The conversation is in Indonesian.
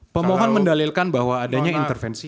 pemohon mendalilkan bahwa adanya intervensi